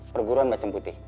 perguruan macan putih